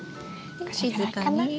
で静かに。